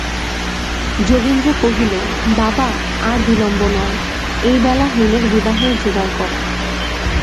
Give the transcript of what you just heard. যোগেন্দ্র কহিল, বাবা, আর বিলম্ব নয়, এইবেলা হেমের বিবাহের জোগাড় করো।